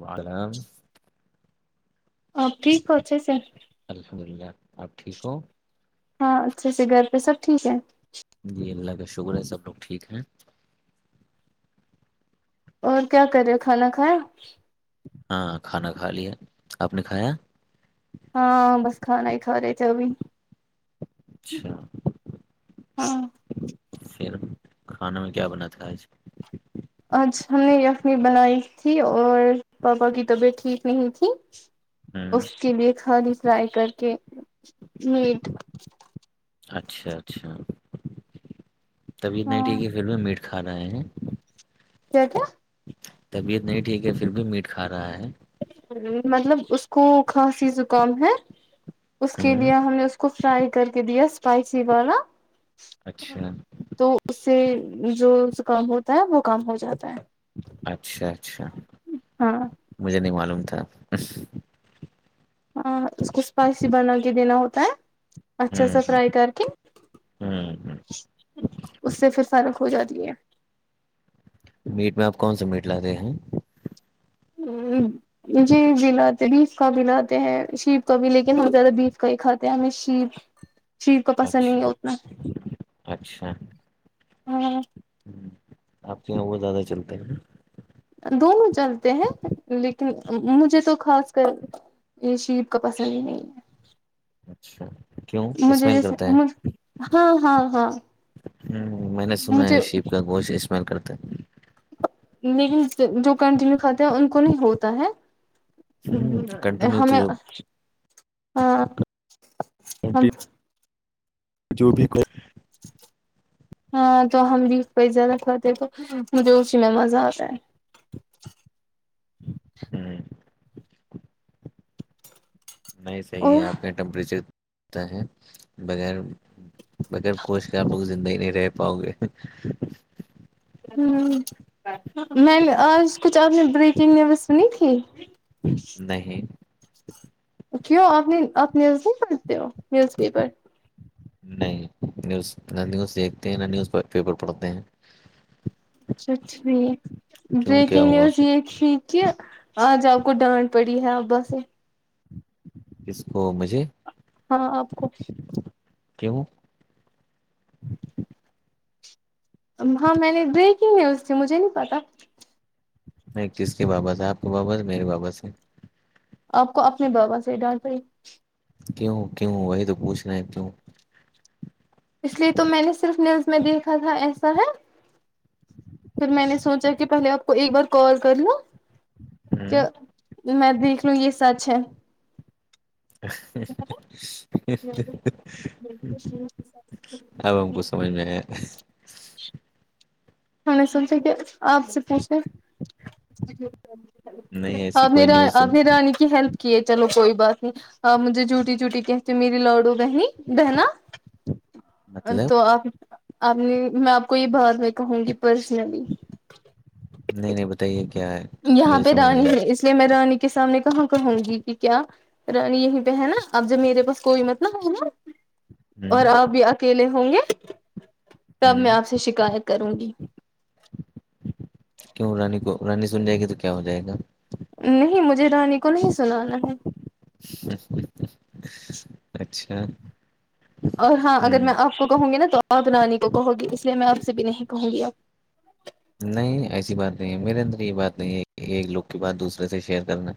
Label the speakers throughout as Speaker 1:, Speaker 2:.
Speaker 1: ولم
Speaker 2: ا ٹھیک اچ سر
Speaker 1: الحمد للہ آپ ٹھیک ہو
Speaker 2: ہاں اچھے سے گھر پہ سب ٹھیک ہے
Speaker 1: جی اللہ کا شکر ہے سب لوگ ٹھیک ہیں
Speaker 2: اور کیا کرے کھانا کھایا
Speaker 1: ہاں کھانا کھا لیا آپ نے کھایا
Speaker 2: ہاں بس کھانا ہی کھا رہے تھ اب
Speaker 1: اچھا
Speaker 2: ہاں
Speaker 1: پھر کھانا میں کیا بنا تھا آج
Speaker 2: آج ہم نے یخنی بنائی تھی اور پاپا کی طبیعت ٹھیک نہیں تھی
Speaker 1: ہوں
Speaker 2: اس کے لیے کھانی فرائی کر کے میٹ
Speaker 1: اچھا اچھا طبیعت نہیں
Speaker 2: ہاں
Speaker 1: ٹھیک کہ پھر بھی میٹ کھا رہے ہیں
Speaker 2: کیا کیا
Speaker 1: طبیعت نہیں ٹھیک ہے پھر بھی میٹ کھا رہا ہے
Speaker 2: مطلب اس کو خھاصسی زکام ہے اس کے
Speaker 1: ہوں
Speaker 2: لیے ہم نے اس کو فرائی کر کے دیا اسپائسی والا
Speaker 1: اچھا
Speaker 2: تو اس سے جو کام ہوتا ہے وہ کام ہو جاتا ہے
Speaker 1: اچھا اچھا
Speaker 2: ہاں
Speaker 1: مجھے نہیں معلوم تھا
Speaker 2: ہاں اس کو اسپائسی بنا کے دینا ہوتا ہے اچھا
Speaker 1: ہوں
Speaker 2: سا
Speaker 1: ہوں
Speaker 2: فرائی کر کن
Speaker 1: ہوں ہ
Speaker 2: اس سے پھر فرق ہو جاتی ہے
Speaker 1: میٹ میں آپ کون سا میٹ لاتے ہیں
Speaker 2: ہ جی جی لاتے بیف کا بھی لاتے ہیں شیف کا بھی لیکن ہم زدہ بیف کئی خاتے ہم شی شف کو پسند نہیں ہے
Speaker 1: اچھا
Speaker 2: اتنا ہاں
Speaker 1: ہ آپ کے یہاں وہت زیادہ چلتا ہے
Speaker 2: دونوں چلتے ہیں لیکن مجھے تو خاص کر یہ شیب کا پسند ہی نہیں ہے
Speaker 1: اچھا کیوں
Speaker 2: مجھے
Speaker 1: اسمیل
Speaker 2: جیسے
Speaker 1: کرتا ہے
Speaker 2: ہاں ہاں ہاں
Speaker 1: ہ میں نے سنا ہے
Speaker 2: مجھے
Speaker 1: شیپ کا گوشت استعمال کرتا ہے
Speaker 2: لیکن جو کنٹینیو کھاتے ہیں ان کو نہیں ہوتا ہے
Speaker 1: ہوں
Speaker 2: ہ
Speaker 1: کنٹینیو تو
Speaker 2: ہمیں
Speaker 1: جو
Speaker 2: ہاں ہم
Speaker 1: کنٹینیو جو بھی کو
Speaker 2: ہاں تو ہم بھی پزہ کاتے تو مجھے اسی میں مزہ آتا ہے
Speaker 1: ہوں نہیں صحیح
Speaker 2: اور
Speaker 1: ہے آپ کے یہاں ٹمپریچر ا ہے بغیر بگر کوچ کر آپوگ زندگی نہیں رہ پاؤ گے
Speaker 2: ہوں میں نے آز کچھ آپ نے بریکنگ نیوز سنی تھی
Speaker 1: دہیں
Speaker 2: کیوں آپ نہیں آپ نیوز نہیں کرتے ہو نیوز پیپر
Speaker 1: نہیں نیوز نہ نیوز دیکھتے ہیں نہ نیوز پیپر پڑھتے ہیں
Speaker 2: اچھا ٹھیک
Speaker 1: کیوں کیا
Speaker 2: بریکنگ
Speaker 1: ہوا
Speaker 2: نیوز یہ کہ آج آپ کو ڈانڈ پڑی ہے ابا سے
Speaker 1: جس کو مجھے
Speaker 2: ہاں آپ کو
Speaker 1: کہ وہوں
Speaker 2: جچ [unintelligible] ہاں میں نے بریکنگ نیوز تھی مجھے نہیں پتا
Speaker 1: میں کس کے وابپس ہے آپ کو وابس میرے وپس ہیں
Speaker 2: آپ کو اپنے بابا سے ڈال پڑے
Speaker 1: کیوں کیوں وہی تو پوچھناے ہے کیوں
Speaker 2: اس لیے تو میں نے صرف نیوز میں دیکھا تھا ایسا ہے
Speaker 1: ہ [unintelligible]
Speaker 2: پھر میں نے سوچا کہ پہلے آپ کو ایک بار کال کر لوں کہ
Speaker 1: ہوں،
Speaker 2: میں دیکھ لوں یہ سچ ہے
Speaker 1: ا ک سمج میں
Speaker 2: ہم نے سنچا کہ آپ سے پوچھے
Speaker 1: نہیں ایسی
Speaker 2: ابھی
Speaker 1: کوئی نیوز تم
Speaker 2: ابھی رانی کی ہیلپ کہ چلو کوئی بات نہیں مجھے جھوٹی جوٹی کہتی میری لاڈو بہنی بہنا
Speaker 1: مطلب
Speaker 2: تو آپ آپ نے میں آپ کو یہ بعات میں کہوں گی پرسنلی
Speaker 1: نہیں نہیں بتائیے کیا ہے
Speaker 2: یہاں
Speaker 1: مجھے
Speaker 2: پہ
Speaker 1: سمجھ
Speaker 2: رانی
Speaker 1: نہیں آیا
Speaker 2: ہے اس لیے میں رانی کے سامنے کہاں کہوں گی کہ کیا یہیں پہ ہے نا اب جب میرے پاس کوئی مطلب ہے نا اور
Speaker 1: ہوں
Speaker 2: آپ بھی اکیلے ہوں گے تب میں
Speaker 1: ہوں
Speaker 2: آپ سے شکایت کروں گی
Speaker 1: کیوں رانی کو رانی سن جائے گی تو کیا ہو جائے گا
Speaker 2: نہیں مجھے رانی کو نہیں سنانا ہے [unintelligible]
Speaker 1: اچھا [unintelligible]
Speaker 2: اور ہاں اگر میں
Speaker 1: ہوں
Speaker 2: آپ کو کہوں گی نا تو آپ نانی کو کہو گی اس لیے میں آپ سے بھی نہیں کہوں گی آپ
Speaker 1: نہیں ایسی بات نہیں ہے میرے اندر یہ بات نہیں ہے ایک لوگ کی بات دوسرے سے شیئر کرنا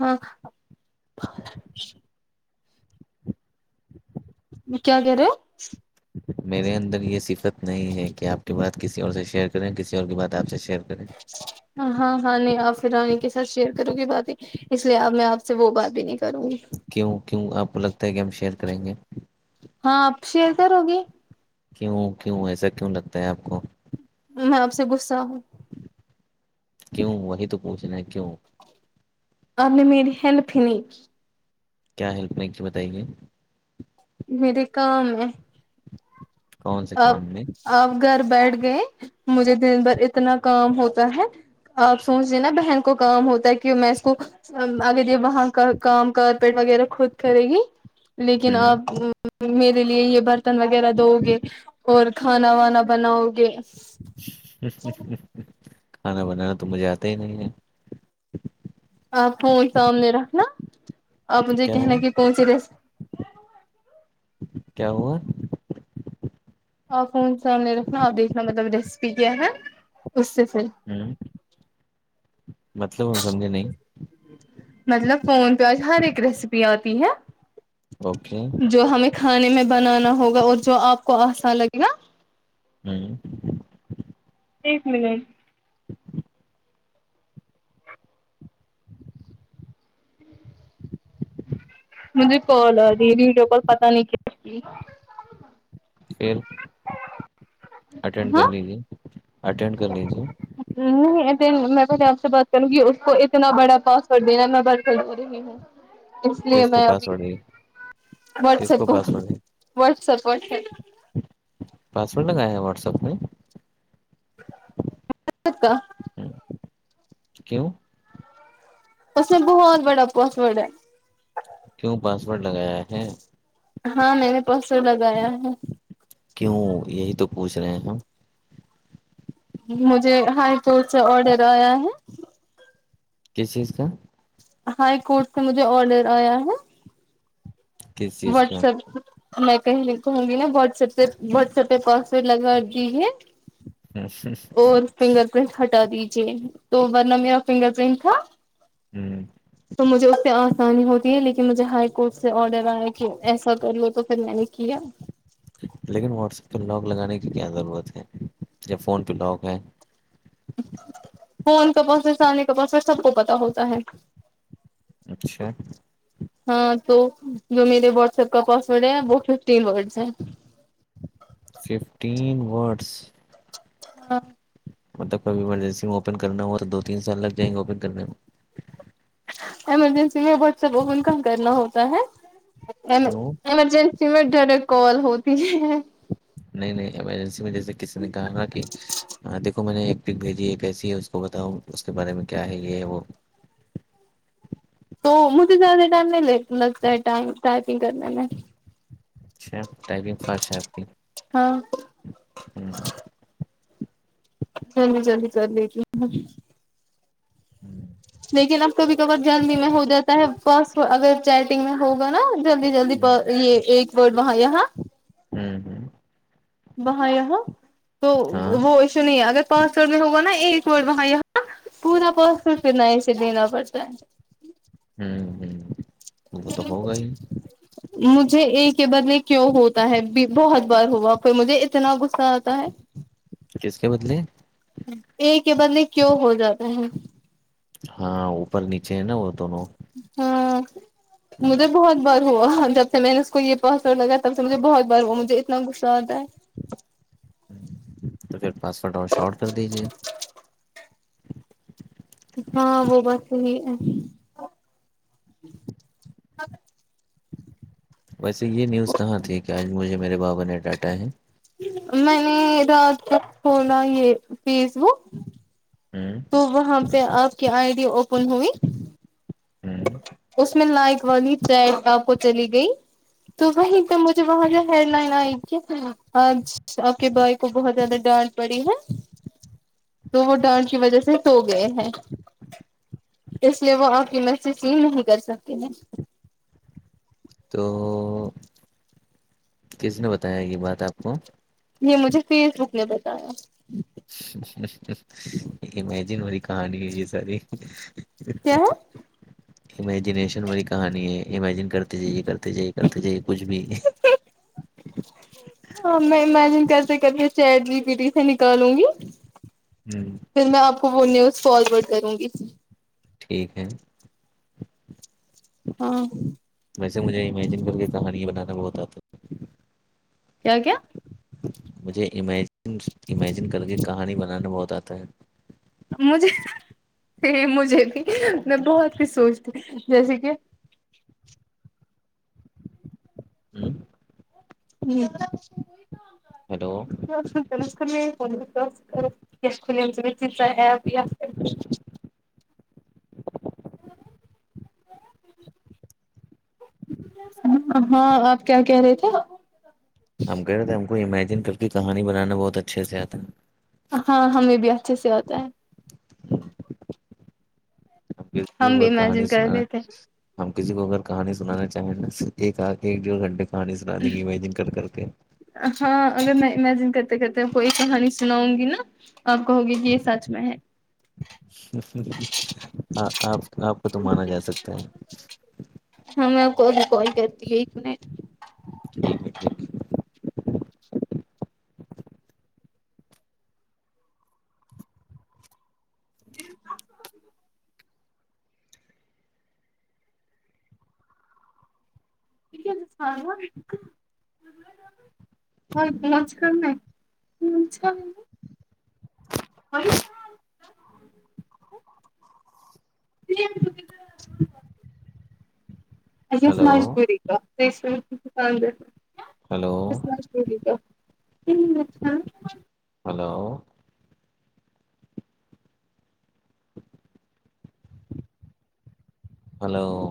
Speaker 2: ہاں [unintelligible] و کیا گے [unintelligible]
Speaker 1: میرے اندر یہ صفت نہیں ہے کہ آپ کی بات کسی اور سے شیئر کریں کسی اور کی بات آپ سے شیئر کریں
Speaker 2: ہاں ہاں نہیں آ پھر رانی کے ساتھ شیئر کرو گے بات ہی اس لیے اب میں آپ سے وہ بات بھی نہیں کروں گی
Speaker 1: کیوں کیوں آپ کو لگتا ہے کہ ہم شیئر کریں گے
Speaker 2: ہاں اب شئیر کروگی
Speaker 1: کیوں کیوں ایسا کیوں لگتا ہے آپ کو
Speaker 2: میں آپ سے گسا ہوں
Speaker 1: [unintelligible] کیوں وہی تو پوچھنا ہے کیوں
Speaker 2: اور نے مل ہیلف نہیں
Speaker 1: کیا ہیلپ میں کی بتائیے
Speaker 2: میرے کام ہے
Speaker 1: کون سے کام میں
Speaker 2: آپ گھر بیٹھ گئے مجھے دن بھر اتنا کام ہوتا ہے آپ سوچ د نا بہن کو کام ہوتا ہے کہ میں اس کو اگر یہ وہاں کا کام کارپیٹ وغیرہ خود کرے گی لیکن
Speaker 1: ہوں
Speaker 2: آپ میرے لیے یہ برتن وغیرہ دوؤ گے اور کھانا وانا بناؤ گے
Speaker 1: کھانا بنانا تو مجھے آتا ہی نہیں ہے
Speaker 2: آپ کو سامنے رکھنا آپ مجھے
Speaker 1: کیا
Speaker 2: کہنا
Speaker 1: ہوا
Speaker 2: کہ پہنچے
Speaker 1: کیا ہوا
Speaker 2: اور فون سے سامنے رکھنا اور دیکھنا مطلب ریسیپی کیا ہے اس سے پھر
Speaker 1: ہوں مطلب ہم سمجیں نہیں
Speaker 2: مطلب فون پہ آج ہر ایک ریسیپی آتی ہے
Speaker 1: اوکے
Speaker 2: جو ہمیں کھانے میں بنانا ہوگا اور جو آپ کو آسا لگے گا
Speaker 1: ہوں
Speaker 2: ایک منٹ
Speaker 1: [inaudible]
Speaker 2: مجھے کال ہے دیلی ویڈیو کال پتا نہیں کی اس کی
Speaker 1: پھر اٹینڈ کر
Speaker 2: ہاں
Speaker 1: لیجیے اٹینڈ کر لیجیے
Speaker 2: میں پہل آپ سے بات کروں کہ اس کو اتنا بڑا پاسورڈ دینا ہے میں بات کر د رہی ہ اس لیے
Speaker 1: کس کو
Speaker 2: میں ابھی
Speaker 1: پاسورڈ ہے کس
Speaker 2: واٹسپ کو
Speaker 1: پاسورڈ ہے
Speaker 2: واٹسپ و
Speaker 1: پاسورڈ لگایا ہے واٹس ایپ میں
Speaker 2: کا
Speaker 1: ہ کی [unintelligible]
Speaker 2: پ بہت بڑا پوس بڑا
Speaker 1: کیوں پاسورڈ لگایا ہے
Speaker 2: ہاں میں نے پرسوں لگایا ہے
Speaker 1: کیوں یہی تو پوچھ رہے ہیں ہم
Speaker 2: مجھے ہائی کٹ سے آڈر آیا ہے
Speaker 1: کس چیز کا
Speaker 2: ہائی کورٹ سے مجھے آڈر آیا ہے
Speaker 1: کس چیز کا
Speaker 2: واٹسپ میں کہیں کہوں گی نا واٹس پہ واٹسپ پہ پاسورڈ لگا دیجیے اور فنگر پرنٹ ہٹا دیجیے تو ورنہ میرا فنگر پرنٹ تھا
Speaker 1: ہوں
Speaker 2: تو مجھے اس سے آسانی ہوتی ہے لیکن مجھے ہائی کورٹ سے آڈر آیا کہ ایسا کر لو تو پھر میں نے کیا
Speaker 1: لیکن واٹسپ پہ لاک لگانے کی کیا ضرورت ہے جیاب فون پہ لاک ہے
Speaker 2: فون کا پاس ہے سانی کا پاس میں سب کو پت ہوتا ہے
Speaker 1: اچھا
Speaker 2: ہاں تو جو میرے واٹس ایپ کا پاسورڈ ہے وہ ففٹ ورڈس ہیں
Speaker 1: ففٹین ورڈس
Speaker 2: ہاں
Speaker 1: مطلب کوبھی ایمرجنسی میں اوپن کرنا ہوا تو دو تین سال لگ جائیں گے اوپن کرنے میں
Speaker 2: ایمرجنسی میں ب س کام کرنا ہوتا ہے
Speaker 1: کیوں
Speaker 2: ایمرجنسی میں ڈائریکٹ کال ہوتی ہے
Speaker 1: نہیں نہیں ایمرجنسی میں جیسے کسی نے کہا کہ د اس کو میں نے ایک پک بھیجی ہے کیسی ہے اس کو بتاؤ اس کے بارے میں کیا ہے یہ ہے وہ
Speaker 2: تو مجھے زیادہ ٹائم نہیں لگتا ہے ٹائم ٹرائپنگ کرنے میں
Speaker 1: اچھا ٹائمنگ فاسٹ ہے آپ کی
Speaker 2: ہاں
Speaker 1: ہوں
Speaker 2: ہل جی جلی کر لی ت
Speaker 1: ہوں
Speaker 2: لیکن اب کبھی کبار جلدی میں ہو جاتا ہے بس اگر چاہ گ میں ہوگا نا جلدی جلدی
Speaker 1: ہوں
Speaker 2: یہ ایک ورڈ وہاں یہاں
Speaker 1: ہوں ہوں
Speaker 2: وہاں یہاں تو
Speaker 1: ہاں
Speaker 2: وہ ایسو نہیں اگر پاس وورڈ میں ہوگا نا ایک وورڈ میںاں یہاں پورا پاسورڈ پ ن سے دینا پڑتا ہے
Speaker 1: ہوں ہ وہ تو ہوگا ہی
Speaker 2: مجھے ایک کے بد میں کیوں ہوتا ہے بہت بار ہوا پھر مجھے اتنا غصہ آتا ہے
Speaker 1: کس کے بدلے
Speaker 2: ایک کے بدے کیوں ہو جاتا ہے
Speaker 1: ہاں اوپر نیچے ہے نا وہ دونوں
Speaker 2: ہاں مج توے بہت ب وہ جب سے میں نے اس کو یہ پاسورڈ لگیا تب سے مجھے بہت بار وہ مجھے اتنا غصہ آتا ہے
Speaker 1: ہ تو پھر پاسورڈ اور شاٹ کر دیجیے
Speaker 2: ہاں وہ بات صحیح ہے
Speaker 1: ویسے یہ نیوز کہاں تھی کہ آج مجھے میرے بابا نے ڈانٹا ہے
Speaker 2: میں نے رات تک کھولا یہ فیس بک
Speaker 1: ہوں
Speaker 2: تو وہاں پہ آپ کی آئی ڈی اوپن ہوئی
Speaker 1: ہوں
Speaker 2: اس میں لائک والی چیٹ آپ کو چلی گئی تو وہیں تو مجھے وہاں سے ہیڈ لائن آئی گ آج آپ کے بھائی کو بہت زیادہ ڈانٹ پڑی ہے تو وہ ڈانڈ کی وجہ سے سو گئے ہیں اس لیے وہ آپ کی نش سیل نہیں کر سکتے ہیں
Speaker 1: تو کس نے بتایا یہ بات آپ کو
Speaker 2: یہ مجھے فیس بک نے بتایا
Speaker 1: امیجن والی کہانی ہو یہ ساری
Speaker 2: کیاوں
Speaker 1: امیجنییشن والی کہانی ہے امیجن کرتے جاہے کرتے جیے کرتے جیے کچھ بھی
Speaker 2: جی ہاں میں امیجن کرتے کربھی چیید جی بیٹی سے نکالوں گی
Speaker 1: ہوں
Speaker 2: پھر میں آپ کو وہ نیوز فارورڈ کروں گی
Speaker 1: ٹھیک ہے
Speaker 2: ہاں
Speaker 1: ویسے مجھے امیجن کر کے کہانی بنانا بہت آتا
Speaker 2: کیا کیا
Speaker 1: مجھے امیجن امیجن کر کے کہانی بنانا بہت آتا ہے
Speaker 2: مجھے نہیں مجھے نہیں میں بہت کچھ سوچتی جیسے کہ
Speaker 1: ہوں
Speaker 2: جی
Speaker 1: ہیلو
Speaker 2: ن کر فون دتا س خلی آ ت ایپ [inaudible] ہاں آپ کیا کہہ رہے تھے
Speaker 1: ہم کہہ رہ تھے ہم کو امیجن کر کے کہانی بنانا بہت اچھے سے آتا ہے
Speaker 2: ہاں ہمیں بھی اچھے سے آتا ہے ہم بھی
Speaker 1: اور کہانی
Speaker 2: امیجن کر
Speaker 1: سنا
Speaker 2: رہے تھے
Speaker 1: ہم کسی کو اگر کہانی سنانا چاہیںا ایک آ کے ایک ڈیڑھ گھنٹے کہانی سنا دیں گے امیجن کر کر کے
Speaker 2: ہاں اگر میں امیجن کرتے کرتے کوئی کہانی سناؤں گی نا آپ کو ہوگی کہ یہ سچ میں ہے
Speaker 1: آپ آپ کو تو مانا جا سکتا ہے
Speaker 2: ہاں میں کوب کوال کرتی ہے
Speaker 1: ٹھیک ہے ٹھیک ہے
Speaker 2: پھر سان گا اور لچ کر میںا ہ ج ا
Speaker 1: ہلو
Speaker 2: مج
Speaker 1: ہلو
Speaker 2: کاک [inaudible]
Speaker 1: ہلو ہلو